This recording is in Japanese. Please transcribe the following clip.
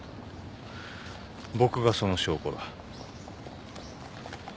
僕がその証拠だ。